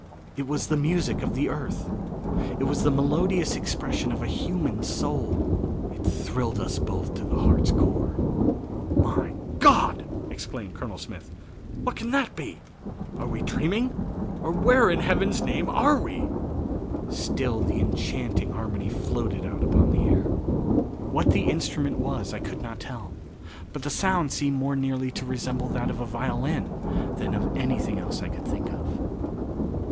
It was the music of the earth. It was the melodious expression of a human soul. It thrilled us both to the heart's core. "My God!" exclaimed Colonel Smith. "What can that be? Are we dreaming, or where in heaven's name are we?" Still the enchanting harmony floated out upon the air. What the instrument was I could not tell; but the sound seemed more nearly to resemble that of a violin than of anything else I could think of.